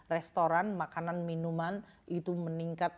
restoran makanan minuman itu meningkat